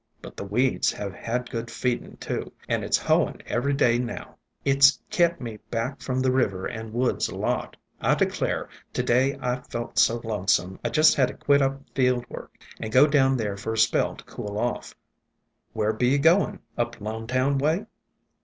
But the weeds have had good feedin', too, and it 's hoein' every day now. It 's kept me back from the river and woods a lot. I declare, to day I felt so lonesome, I jest had to quit up field work and go down there for a spell to cool off. Where be you goin' — up Lonetown way?